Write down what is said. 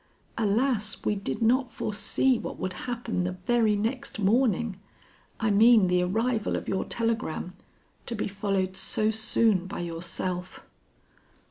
Alas! we did not foresee what would happen the very next morning I mean the arrival of your telegram, to be followed so soon by yourself."